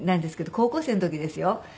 高校生の時ですよ。